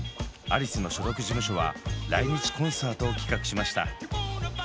アリスの所属事務所は来日コンサートを企画しました。